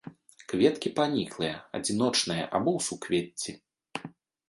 Кветкі паніклыя, адзіночныя або ў суквецці.